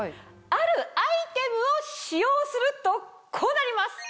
あるアイテムを使用するとこうなります！